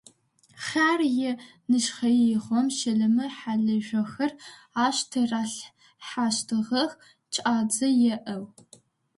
Хъяр е нэшхъэигъом щэлэмэ-хьалыжъохэр ащ тыралъхьащтыгъэх кӏадзэ иӏэу.